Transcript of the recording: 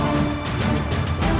ya ini udah berakhir